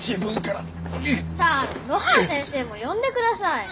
さあ露伴先生も呼んでください！